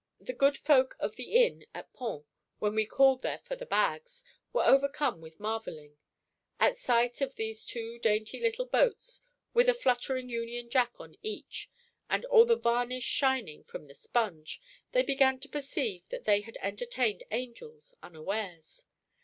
The good folk of the inn at Pont, when we called there for the bags, were overcome with marvelling. At sight of these two dainty little boats, with a fluttering Union Jack on each, and all the varnish shining from the sponge, they began to perceive that they had entertained angels unawares.